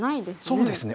そうですね。